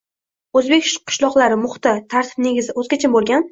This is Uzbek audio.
O‘zbek qishloqlari — muhiti, tartib-negizi o‘zgacha bo‘lgan